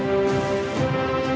điều hòa giải